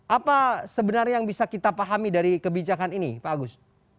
apa sebenarnya yang bisa kita pahami dari kebijakan ini pak agus